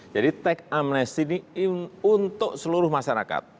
jadi teksamnesti ini untuk seluruh masyarakat